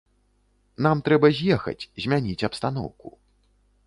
Нам трэба з'ехаць, змяніць абстаноўку.